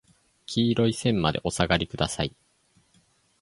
黄色い線までお下がりください。